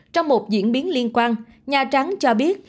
trong một diễn biến liên quan nhà trắng cho biết